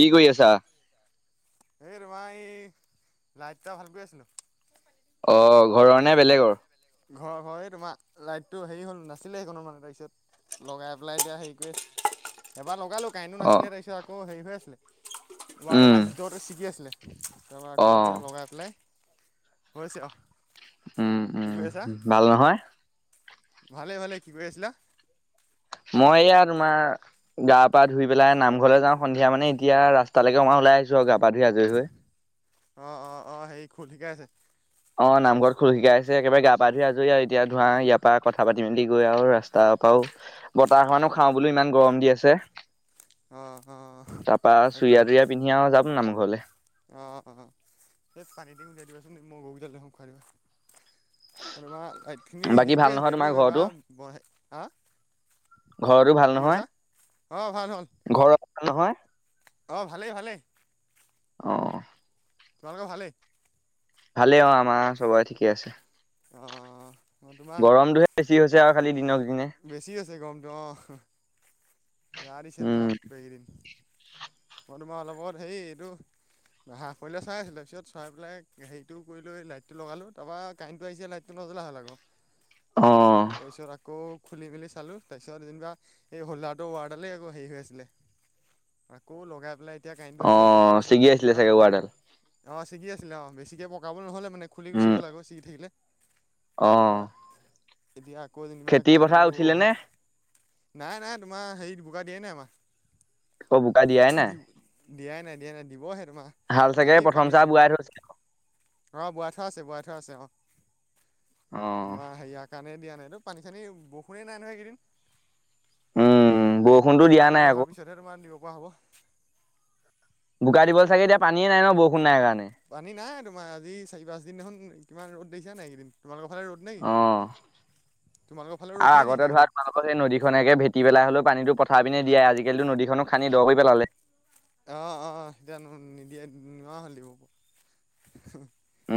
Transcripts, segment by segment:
কি কৰি আছা? এই তোমাৰ এই লাইটটা ভালকৈ আছিলো। অ ঘৰৰ নে বেলেগৰ। ঘৰ ঘৰ তোমাৰ লাইটটো হেৰি হ'ল নাছিলে সেইকণো মানুহে তাৰপিছত লগাই পেলাই এতিয়া হেৰি কৰি আছিলোঁ। এবাৰ লগালো কাৰেন্টটো অ' নাছিলে। তাৰপিছত আকৌ হেৰি হৈ আছিল উম, ওৱাৰডালৰ ভিতৰতে ছিগি আছিলে। তাৰপৰা আকৌ অ' এতিয়া লগাই পেলাই হৈছে আও। উম উম। ভাল নহয়? ভালে ভালে। কি কৰি আছিলা? মই এয়া তোমাৰ গা পা ধুই পেলাই নামঘৰলৈ যাওঁ। সন্ধিয়া মানে এতিয়া ৰাস্তালৈকে মই ওলাই আহছো আৰু গা বাধি আজৰি হৈ অ অ অ সেই খুল শিকাই আছে? অ নামঘৰত খোল শিকাই আছে। একেবাৰে গা পা ধুই আজৰি আৰু এতিয়া ধৰা ইয়াৰ পৰা কথা পাতি মাতি গৈ আৰু ৰাস্তা। তাপাও বতাহখনো খাওঁ বোলো ইমান গৰম দি আছে। অঁ অঁ তাৰপা চুৰিয়া- তুৰিয়া পিন্ধি যাম নাম ঘৰলে। অ', অ', সেই পানী টিং ওলিয়াই দিবাচোন। মই গৰুকেইটা লৈ আহো খুৱাই দিবা। আৰু এইবাৰ লাইট খিনি বাকী হেৰি ভাল কৰি নহয় আছিলে তোমাৰ ঘৰতো? এইবাৰ বহে আহ ঘৰতো ভাল নহয় অঁ ভাল ঘৰত ভাল নহয়? অহ, ভালেই ভালেই। অ', তোমালোকৰ ভালেই? ভালে অহ আমাৰ চবৰে ঠিকে আছে। অ', মই তোমাৰ গৰমটোহে বেছি হৈছে আৰু খালি দিনক দিনে। অহ বেয়া দিছে উম তাপ ৰে। মই তোমাক অলপ আগত হেই এইটো। হাঁহ পোৱালিকেটা চাই আছিলো। তাৰপিছত চাই পেলাই হেৰিটো কৰি লৈ লাইট টো লগালো। তাৰপা কাৰেণ্টটো আহিছে লাইট টো বজল হল আক অ', তাৰ পিছত আকৌ। খুলি মেলি চালো তাৰপিছত যেনিবা এই হোলদাৰটো ৱাৰ্ডালে আকৌ হেৰি হৈ আছিলে। আকৌ লগাই পেলাই এতিয়া কাৰেণ্টটো আহিছে চেক অ', কৰি ছিগি চালো আছিলে যেনিবা চাগে ৱাৰডাল অ চিগি আছিলে আছিলে অ বেছিকে পকাব নহ'লে মানে খুলি উম গুচিব লাগে ছিগি থাকিলে। অ তাৰপৰা এতিয়া আকৌ যেনিবা খেতি পথাৰ কাৰেণ্টটো উঠিলে নে অহা নাই নাই তোমাৰ হেৰি বোকা দিয়ে নাই আমাৰ। অ ভুকা দিয় হয় ন তো দি দিয়াই নাই দিয়া নাই দিবহে। তোমাৰ চাগে হেৰি প্ৰথম পানী চাহ বোৱাই থৈছে অঁ বোৱাইথোৱা আছে বোৱাইথোৱা আছে অঁ অ', তোমাৰ হেয়াৰ কাৰণে দিয়া নাইতো পানী চানী বৰষুণেই নাই নহয় সেইকেইদিন। উম বৰষুণতো দিয়া নাই আকৌ হ'বোৱা হ'ব বোকা দিবলে চাগে পানীয়েই নাই ন বৰষুণ নাই কাৰনে? পানী নাই তোমাৰ আজি চাৰি পাঁচদিন দেখোন কিমান ৰ'দ দিছা নাই। এইকেইদিন তোমালোক ন অ', [unintelligible] আৰু আগতে ধৰা তোমালোকৰ সেই নদী খনেকে ভেটি পেলাই হলেও পানীটো উঠাই পিনে দিয়ে আজিকালিতো নদীখনো খানদি দহ কৰি পেলালে। আহ অ এতিয়ানো নিদিয়ে নোৱাৰ হ'লেও।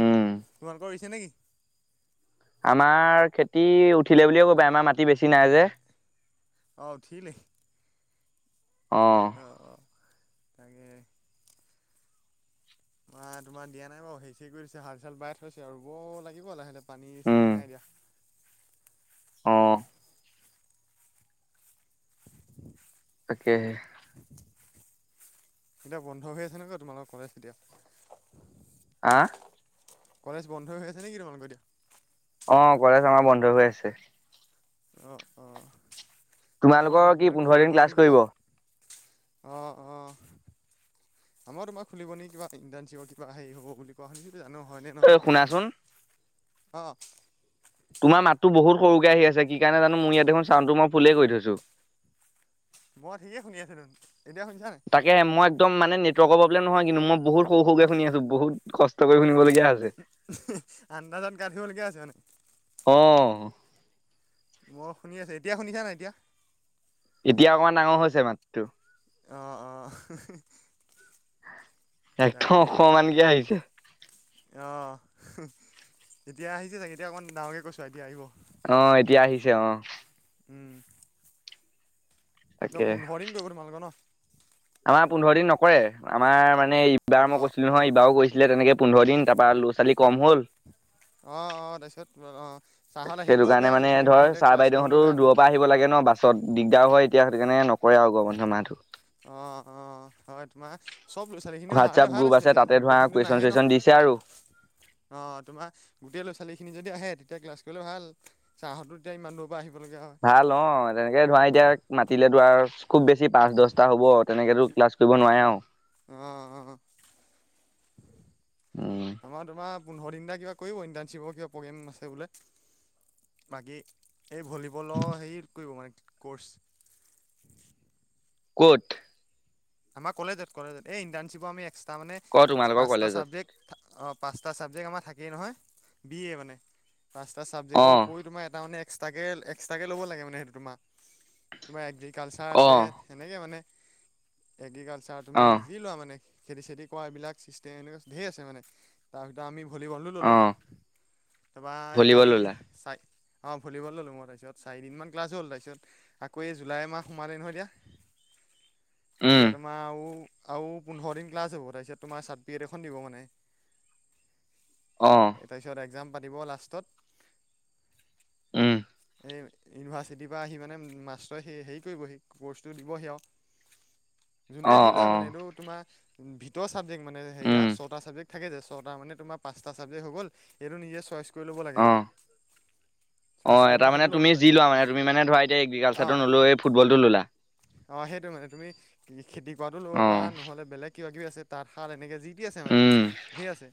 উম ৰুইছে নেকি? আমাৰ খেতি উঠিলে বুলিয়ে কবা আমাৰ মাটি বেছি নাই যে। আহ উঠিলেই। আহ অ অ তাকে। ম তোমাৰ দিয়া নাই বাৰু হচি কৰি দিছে হাল চাল বাই থৈছে ৰুব লাগিব লাহেঁকে। পানী নাই দিয়া। অহ [inaudible] তাকেহে এতিয়া বন্ধ হৈ আছে নক তোমালোকৰ কলেজ এতিয়া। আহ কলেজ বন্ধ হৈ আছে নেকি তোমালোকৰ এতিয়া। অ কলেজ আমাৰ বন্ধ হৈ আছে। অহ অহ। তোমালোকৰ কি পোন্ধৰ দিন ক্লাছ কৰিব অহ অহ- আমাৰ তোমাৰ খুলিব নি কিবা ইণ্টানশ্বিপৰ হেই হব বুলি কোৱা শুনিছোঁ। জানো হয়নে এ নহয় এতিয়া শুনাচোন অ তোমাৰ মাততো বহুত সৰুকে আহি আছে কি কাৰণে জানো মোৰ ইয়াতে দেখখন চাউণ্ড টো মই ফুলেই কৰি থৈছো। মই ঠিকে শুনি আছোঁ দেখোন। এতিয়া শুনিছা নাই তাকে মই একদম মানে নেটৱৰ্কৰ প্ৰব্লেম নহয় কিন্তু মই বহুত সৰু সৰুকে শুনি আছো বহুত কষ্ট কৰি শুনিব লগীয়া। আন্দাজত গাই থাকিব লগীয়া আছে আছে মানে। অহ মই শুনি আছো এতিয়া শুনিছা নাই এতিয়া এতিয়া অকমান ডাঙৰ হৈছে মাতো অহ অহ একদম অকমান কে আহিছে। অ এতিয়া আহিছে চাগে এতিয়া অকণ ডাঙৰকে কৈছো এতিয়া আহিব। অ এতিয়া আহিছে অ উম তাকে পোন্ধ দিন কৰিব তোমালোকৰ ন আমাৰ পোন্ধৰ দিন নকৰে আমাৰ মানে ইবাৰ মই অ', কৈছিলো নহয় অ', এলইবাৰো কৈছিলে তেনেকে পোন্ধৰ দিন তাৰপৰা ল'ৰা ছোৱালী কম হ'ল- অ অ তাৰিছত অ। ছাৰহঁত সেইটো আহিবলৈও কাৰণে বেয়া ল'ৰা মানে ছোৱালী ধৰ নাহিলে ছাৰ ক্লাছ কৰিবলৈও বাইদেউহতো বেয়া নহয় দূৰৰ পৰা আহিব লাগে ন বাছত দিগদাৰ হয়। এতিয়া সেইটো কেনে নকৰে আৰু গৰ বন্ধ মাহহটো। অ অ অ হয় তোমাৰ চব ল'ৰা ছোৱালী খিনি অহালে হোৱাটছআপ ভাল গ্ৰুপ আছিলে আছে তাতে এতিয়া ধৰা গোটেই খিনিটো কুৱেশ্যন নাহে। ন চুৱেশ্যন দিছে আৰু অ তোমাৰ গোটেই ল'ৰা ছোৱালী খিনি যদি আহে তেতিয়া ক্লাছ- কৰিবলে ভাল ছাৰ হতো তেতিয়া ইমান দূৰৰ পৰা আহি। ভাল অ তেনেকে ধৰা এতিয়া মাতিলেতো আৰু খুব বেছি পাঁচ দশটা হ'ব তেনেকেতো ক্লাছ কৰিব নোৱাৰে আও- আহ আহ। উম আমাৰ তোমাৰ- পোন্ধৰ দিননা কিবা কৰিব ইণ্টাৰ্ণশ্বিপৰ কিবা প্ৰগ্ৰেম আছে বোলে বাকী- এই ভলীবলৰ হেৰি কৰিব মানে কৰ্চ কত, আমাৰ কলেজত কলেজ এই ইণ্টাৰশিপৰ এক্সটা মানে ক তোমালোকৰ পাঁচটা কলেজত চাবেক্ট- অ পাঁচটা ছাবজেক্ট আমাৰ থাকেই নহয় বি এ মানে পাঁচটা অ ছাবজেক্ৰ উপৰি তোমাৰ এটা মানে- এক্সট্ৰাকে এক্সট্ৰাকে ল'ব লাগে মানে সেইটো তোমাৰ তোমাৰ এগ্ৰিকালচাৰ অ আছে সেনেকে মানে এগ্ৰিকালচাৰ অ তুমি যি লোৱা মানে। খেতি চেতি কৰা এইবিলাক চিষ্টেম এনেকুৱা ধেই আছে মানে তাৰ ভিতৰত আমি- ভলী বলটো অ ল'লোঁ তাৰপৰা এই ভলীবল আজি ওলা চাই- অ ভলীবল ল'লো মই তাৰপছত চাৰিদিনমান ক্লাছ হ'ল তাৰপিছত আকৌ এই জুলাই মাহ সোমালে নহয় এতিয়া [inaudible] এতিয়া তোমাৰ আও আৰু পোন্ধৰ দিন ক্লাছ হ'ব তাৰপিছত তোমাৰ চাৰ্টিফিকেট এখন দিব মানে। অ তাৰপিছত এক্সাম পাতিব লাষ্টত- উম এই ইউনিভাৰ্চিটিৰ পৰা আহি মানে মাষ্টৰে সেই হেৰি কৰিবহি ক'ৰ্চটো দিবহি আৰু যোনে অ যি অ লয় মানে এইটো তোমাৰ ভিতৰ ছাবজেক্ট মানে উম হেৰিয়া ছটা ছাবজেক্ট। থাকে যে ছয়টা মানে তোমাৰ পাঁচটা ছাবজেক্ট হৈ গ'ল, এইটো নিজে চইচ কৰি ল'ব লাগে অ মানে। চইচ অ' কৰি এটা মই মানে সেইটো তুমি ল'লোঁ যি তাৰপিছত লোৱা মানে তুমি মানে ধৰা এতিয়া এগ্ৰিকালচাৰটো নলয়, এই ফুটবল টো ললা। অ' সেইটো মানে তুমি খেতি কৰাটো ল'ব অ পাৰা। নহ'লে বেলেগ কিবা কিবি আছে তাঁতশাল এনেকে যি টি আছে মানে উম ঢেৰ আছে,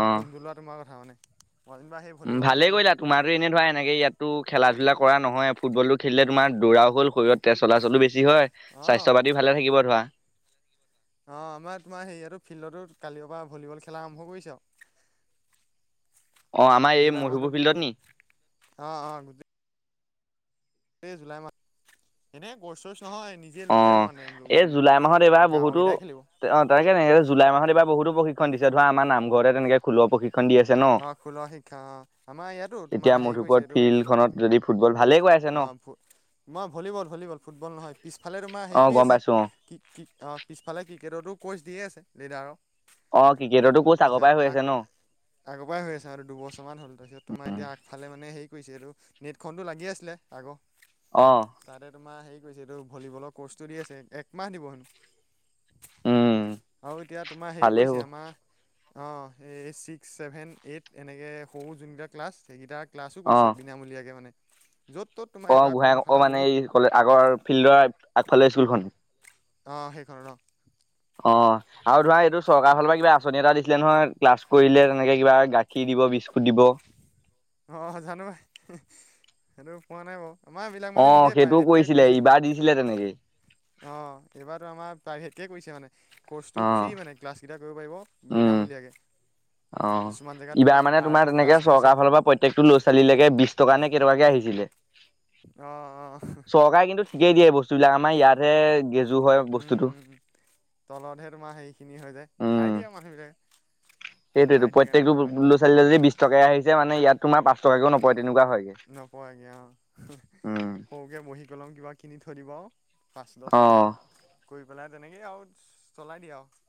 তাৰ কোনটো লোৱা তোমাৰ কথা মানে। মই যেনিবা সেই উ ভলীবলো ভালে ল'লোঁ আৰু কৰিলা তোমাৰো এনেই ধৰা এনেকে ইয়াতো খেলা-ধূলা কৰা নহয়। ফুটবলটো খেলিলে তোমাৰ দৌৰাও হ'ল শৰীৰত তেজ চলাচলো বেছি হয়। স্বাস্থ্য পাতিও ভালে থাকিব ধৰা। অ' আমাৰ তোমাৰ হেৰিয়াতো ফিল্ডতো কালিৰ পৰা ভলীবল খেলা আৰম্ভ কৰিছে আৰু [inaudible] অ' আমাৰ এই জুলাই মাহটো মধুপুৰ ফিল্ডত নি অঁ অঁ গোটেই জুলাই মাহ এনেই গৈ থৈ অ' এই জুলাই মাহত এইবাৰ বহুতো গাঁওকেইটাই খেলিব অ শ'তাৰকে নক জুলাই মাহত এইবাৰ বহুতো প্ৰশিক্ষণ দিছে ধৰা আমাৰ নামঘৰতে তেনেক খুলৰ প্ৰশিক্ষণ। দি আছে ন আহ খোলা শিক্ষা আহ আমাৰ ইয়াতো তোমাৰ এতিয়া হেৰি কৰিছে মধুপুৰত এইটো ফিল্ড খনত যদি ফুটবল ভালেই কৈ আছে ন মই ভলীবল, ভলীবল, ফুটবল নহয় পিছ ফালে তোমাৰ হেৰি, অ' কৰি গম আছে পাইছো অ' পিছফালে ক্ৰিকেটতো কোচ দিয়ে আছে লেডাৰৰ। অ' ক্ৰিকেটতো ক'চ আগৰ পৰাই হৈ আছে ন'। উপাই হৈ আছে আৰু দুবছৰমান হ'ল তাৰপিছত তোমাৰ এতিয়া আগফালে মানে হেৰি কৰিছে এইটো নেটখনটো লাগি আছিলে আগৰ অ' [unintelligible] তাতে তোমাৰ হেৰি কৈছে, এইটো ভলীবলৰ কৰ্চটো দি আছে একমাহ দিব হেনো। উম আৰু এতিয়া তোমাৰ হেৰিও ভালেই কৰিছে, হ'ব আমাৰ অ' এই চিক। ছিক্স, ছেভেন এইট এনেকৈ সৰু যোনকেইটা ক্লাছ, সেইকেইটা ক্লাছো অ' কৰিছে বিনামূলীয়াকৈ মানে য'ত ত'ত তোমাৰ অ' এইবাৰ ঘূৰাই অ' কৰ্মশালা মানে বহুত এই ক আগৰ ফিল্ডৰ আগফালে স্কুলখন। অ' সেইখন ৰ অ' আৰু ধৰা এইটো চৰকাৰৰ ফালৰ পৰা কিবা আঁচনি এটা দি ছিলে নহয় ক্লাছ কৰিলে তেনেকে কিবা গাখীৰ দিব বিস্কুট দিব। অ' জানো সেইটো পোৱা নাই বাৰু আমাৰ এই বিলাক অ মানে নিজে সেইটোও প্ৰাইভেটকে কৰিছিলে কৰিছে ইবাৰ দিছিলে তেনেকেই অ' এইবাৰটো আমাৰ প্ৰাইভেট। এক কৰিছে মানে অ ক'ৰ্চটো ফ্ৰী মানে ক্লাছকেইটা কৰিব পাৰিব উম বিনামূলীয়াকৈ। অ' কিছুমান জেগাত এইবাৰ মানে তোমাৰ আৰ্টৰ ক্লাছ তেনেকে কৰিছে চৰকাৰৰ ফালৰ পৰা প্ৰত্যেকটো ল'ৰা-ছোৱালীলৈকে বিশ টকা নে কেইটকাকে আহিছিলে। অহ। চৰকাৰে কিন্তু ঠিকেই দিয়ে বস্তুবিলাক আমাৰ ইয়াতহে হয় বস্তুটো উম-উম-উম তলতহে তোমাৰ সেই খিনি হৈ যায়। খাই দিয়ে মানুহ বিলাকে। সেইটোয়েতো প্ৰত্যেকটো হয় ল'ৰা-ছোৱালী যদি বিশ টকা আহিছে মানে ইয়াত তোমাৰ পাঁচ টকাকেও নপৰে। তেনেকুৱা হয়গে নোকোৱাগে অ' উম সৰুকে বহী, কলম কিবা কিনি থৈ দিব। পাঁচ দহ অ টকা কৰি পেলাই তেনেকেই আৰু চলাই দিয়ে আৰু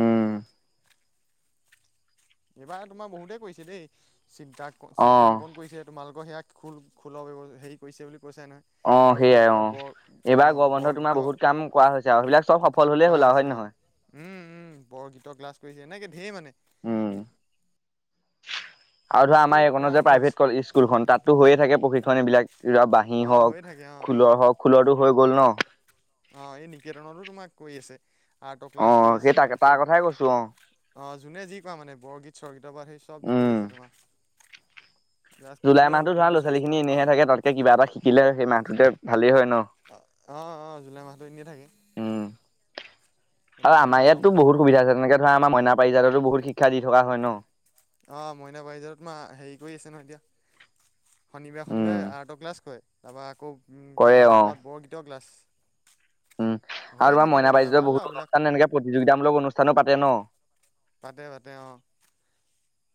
উম এইবাৰ তোমাৰ বহুতেই কৰিছে দেই, চিত্ৰাংকন অ', চিত্ৰাংকন কৰিছে তোমালোকৰ সেয়া খোল-খোলৰ হেৰি কৰিছে বুলি। কৈছে নহয় অ' আৰু ক'ৰবাত সেইয়াই ক'ৰবাত অ' বৰ এইবাৰ অঁ গৰম বন্ধ বৰগীত তোমাৰ বহুত কাম কৰা হৈছে আৰু সেইবিলাক চব সফল হ'লে কৰা হ'ল। হৈছে অঁ হয়-নহয়। উম উম বৰগীতৰ ক্লাছ কৰিছে এনেকে ধেৰ মানে। উম'। আৰু ধৰা আমাৰ কৰা এইখনৰ যে আৰম্ভ হৈছে প্ৰাইভেট স্কুলখন, তাতো হৈয়ে থাকে প্ৰশিক্ষণ এইবিলাক। কিবা বাঁহী অঁ হৈ হওক, থাকে অঁ খোলৰ হওক, খোলৰটো হৈ গল ন'। অ' এই নিকেতনৰো তোমাক কৰি আছে। আৰ্টৰ ক্লাছ অ', কৰি সেই আছে তাক তাৰ কথাই কৈছো অ', তাৰপিছত অ' যোনে যি কোৱা মানে বৰগীত- স্বগীতৰ পৰা সেই চব উম। কৰি আছে তোমাৰ। জাষ্ট জুলাই কৰিলেই হ'ল মাহটোত ধৰা কোনটো চইচ ল'ৰা-ছোৱালী কৰা খিনি তোমাৰ এনেহে কথা থাকে। তাতকে কিবা এটা শিকিলে, সেই মাহটোতে ভালেই হয় ন'। অ', অ', জুলাই মাহতো এনেয়ে থাকে। উম, সেইটো আৰু কাৰণে আমাৰ ভাল ইয়াততো বহুত সুবিধা আছে তেনেকে ধৰা আমাৰ মইনা পাৰিজাততো বহুত শিক্ষা দি থকা হয় ন। অ', মইনা পাৰিজাত তোমা হেৰি কৰি আছে নহয় এতিয়া। উম, শনিবাৰে-শনিবাৰে আৰ্টৰ ক্লাছ কৰে, তাৰপৰা আকৌ কৰে কোনোবা এটা অ'। বৰত বৰগীতৰ ক্লাছ। উম, হৈয়ে আৰু বাৰ থাকে মইনা ৰেগুলাৰ পাৰিজাতৰ ভাল আৰু বহুতো এইবিলাক অনুষ্ঠান এনেকে প্ৰতিযোগিতামূলক অনুষ্ঠানো পাতে ন? পাতে-পাতে অ',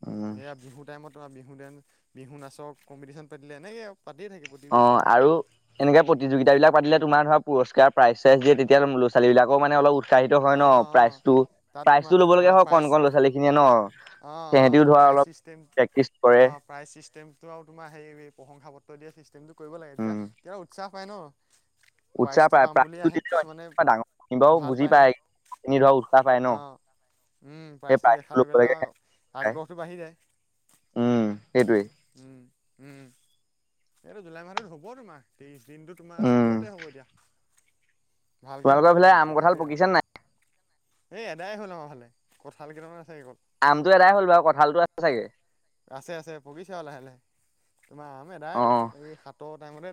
উম। এইয়া বিহু টাইমত ধৰা বিহু-বিহু নাচৰ কম্পিটিশন পাতিলে এনেকে অ', আৰু এনেকে প্ৰতিযোগিতা বিলাক পাতিলে তোমাৰ ধৰা পুৰস্কাৰ প্ৰাইজ চাইজ দিয়ে তেতিয়া ল'ৰা ছোৱালী বিলাকো মানে অলপ উৎসাহিত হয় ন, অঁ অঁ প্ৰাইজটো তাত তোমাৰ প্ৰাইজটো ল'ব লগীয়া হয় কন কন লৰা ছোৱালী খিনিয়ে ন অ অ সিহঁতিও ধৰা প্ৰাইজ অলপ চিষ্টেম প্ৰেক্টিচ কৰে। অ প্ৰাইজ চিষ্টেমটো আৰু তোমাৰ হে প্ৰশংসা পত্ৰ দিয়া নিচিনা [unintelligible] [unintelligible] কৰিব লাগে এতিয়া তেতিয়া উৎসাহ পাই ন উৎসাহ প্ৰাইজটো পায় পাম বুলি আহে কিছুমানে প্ৰ ডাঙৰ কনিবাও ভাল বুজি ন পায় [unintelligible] এ নি ধ উৎসাহ পাই ন [unintelligible] অঁ উম সেই প্ৰাইজটো দেখা লগে ল'বলৈকে লগে আগ্ৰহটো বাঢ়ি যায় [unintelligible] উম উম উম এইটো জুলাই মাহটোত হ'ব তোমাৰ তে্ৰিশ দিনতো তোমাৰ চবতে হ'ব এতিয়া [unintelligible] ভালকে হ'ব তোমালোকৰ লাগে ফালে আম কঁঠাল সেইটোৱে আৰু পকিছে নাই এই এদাই হ'ল আমাৰ ফালে, কঁঠাল কেইটামান আছে অকল আমটো এদাই হ'ল বাৰু, কঁঠালতটো আছে চাগে? আছে-আছে পকিচে আৰু লাহে-লাহে। অ',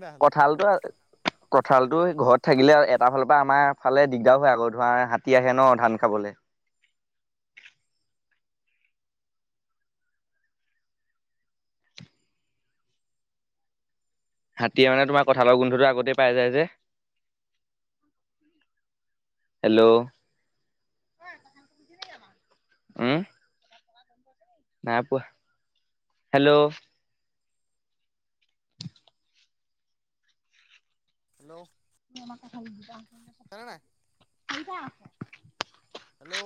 এদায় হ'ল কঠালটো-কঠালটো ঘৰত থাকিলে এটাৰ ফালৰ পৰা আমাৰ ফালে দিগদাৰ হয় আকৌ ধৰা হাতী আহে ন ধান খাবলে। [inaudible] হাতীয়ে মানে তোমাৰ কঁঠালৰ গোন্ধটো আগতেই পাই যায় যে। হেল্ল'? উম? না পোৱা। হেল্ল'? হেল্ল'? আমাৰ কথা বজা আ [inaudible] আছে নে নাই? আছে। হেল্ল'?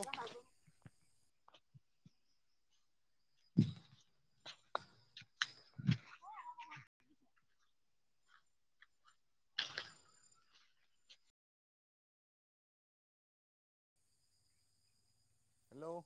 [unintelligible] হেল্ল'?